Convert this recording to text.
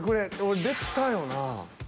俺出たよな。